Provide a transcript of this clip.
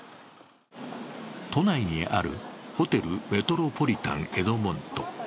都内にあるホテル・メトロポリタンエドモント。